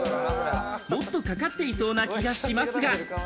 もっとかかっていそうな気がしますが。